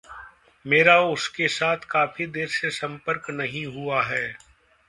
मेरा उसके साथ काफ़ी देर से सम्पर्क नहीं हुआ है।